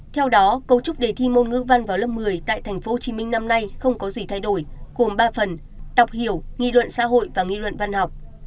theo đó cấu trúc đề thi môn ngữ văn vào lớp một mươi tại tp hcm năm nay không có gì thay đổi gồm ba phần đọc hiểu nghị luận xã hội và nghi luận văn học